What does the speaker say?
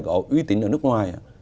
có uy tín ở nước ngoài